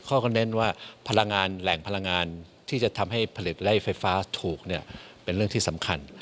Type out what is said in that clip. ข้อก็เน้นว่าพลังงานแหล่งพลังงานที่จะทำให้ผลิตไล่ไฟฟ้าถูกเนี่ยเป็นเรื่องที่สำคัญ